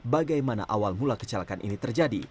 bagaimana awal mula kecelakaan ini terjadi